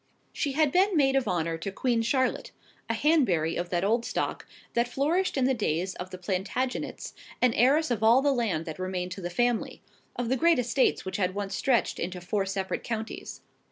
She had been maid of honour to Queen Charlotte: a Hanbury of that old stock that flourished in the days of the Plantagenets, and heiress of all the land that remained to the family, of the great estates which had once stretched into four separate counties.